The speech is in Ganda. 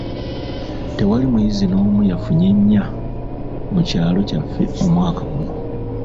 Tewali muyizi n'omu yafunye nnya mu kyalo kyaffe omwaka guno.